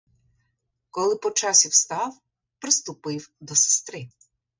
Коли по часі встав, приступив до сестри.